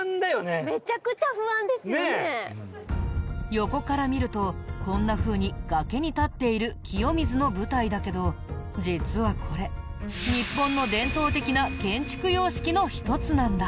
横から見るとこんなふうに崖に立っている清水の舞台だけど実はこれ日本の伝統的な建築様式の一つなんだ。